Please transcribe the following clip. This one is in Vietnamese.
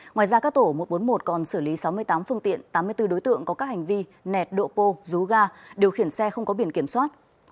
ngoài ra các tổ một trăm bốn mươi một còn xử lý sáu mươi tám phương tiện tám mươi bốn đối tượng có các hành vi nẹt độ pô rú ga điều khiển xe không có biển kiểm soát